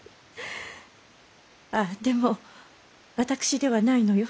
あぁでも私ではないのよ。